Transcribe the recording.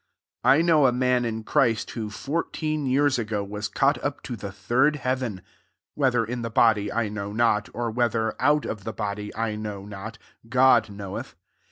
2 I know a man in Christ,* who, fourteen years ago, was caught up to the third heaven : (whe ther in the body, I know not; or whether out of the body, I know not; God k<iow eth.)